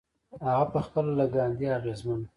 هغه پخپله له ګاندي اغېزمن و.